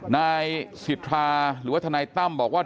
นายศิษภาหรือว่าทต้ำบอกว่า